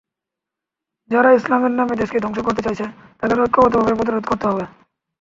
যারা ইসলামের নামে দেশকে ধ্বংস করতে চাইছে, তাদের ঐক্যবদ্ধভাবে প্রতিরোধ করতে হবে।